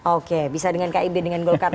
oke bisa dengan kib dengan golkar